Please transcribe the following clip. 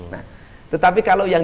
nah tetapi kalau yang